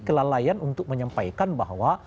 kelalaian untuk menyampaikan bahwa